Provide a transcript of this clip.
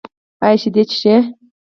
ایا شیدې څښئ؟